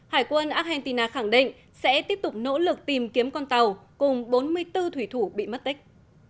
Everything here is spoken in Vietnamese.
hải quân argentina khẳng định sẽ tiếp tục nỗ lực tìm kiếm con tàu cùng bốn mươi bốn thủy thủ bị mất tích